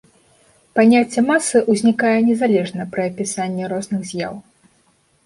Паняцце масы ўзнікае незалежна пры апісанні розных з'яў.